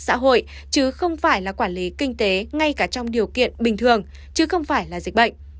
xã hội chứ không phải là quản lý kinh tế ngay cả trong điều kiện bình thường chứ không phải là dịch bệnh